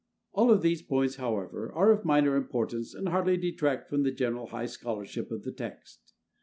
All of these points, however, are of minor importance and hardly detract from the general high scholarship of the text.